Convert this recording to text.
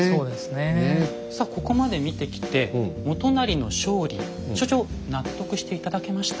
さあここまで見てきて元就の勝利所長納得して頂けました？